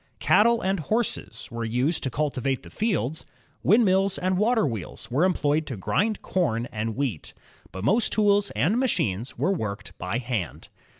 Cattle and horses were used to cultivate the fields. Windmills and water wheels were employed to grind com and wheat. But most tools and machines were worked by hand.